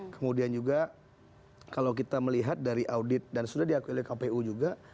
kemudian juga kalau kita melihat dari audit dan sudah diakui oleh kpu juga